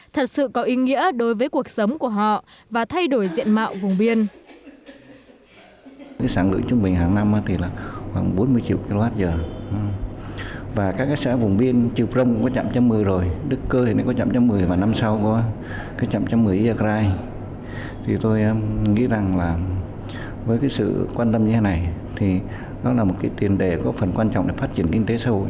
thật sự có ý nghĩa đối với cuộc sống của họ và thay đổi diện mạo vùng biên